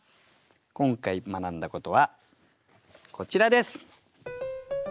今回学んだことはこちらです。